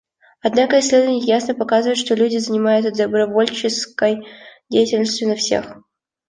Однако исследования ясно показывают, что люди занимаются добровольческой деятельностью на всех уровнях.